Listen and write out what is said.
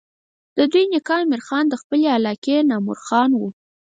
د دوي نيکه امير خان د خپلې علاقې نامور خان وو